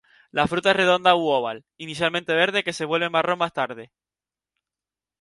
La fruta es redonda u oval, inicialmente verde que se vuelve marrón más tarde.